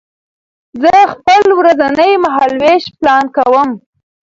زه خپل ورځنی مهالوېش پلان کوم.